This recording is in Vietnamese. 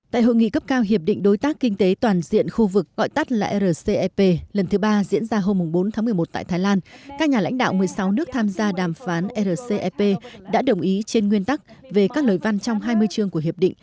tại hội nghị cấp cao hiệp định đối tác kinh tế toàn diện khu vực gọi tắt là rcep lần thứ ba diễn ra hôm bốn tháng một mươi một tại thái lan các nhà lãnh đạo một mươi sáu nước tham gia đàm phán rcep đã đồng ý trên nguyên tắc về các lời văn trong hai mươi chương của hiệp định